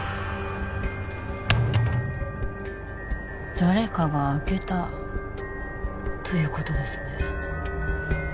誰かが開けたということですね